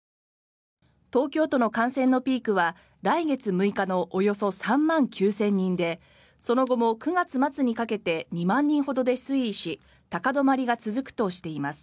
東京都の感染のピークは来月の６日のおよそ３万９０００人でその後も９月末にかけて２万人ほどで推移し高止まりが続くとしています。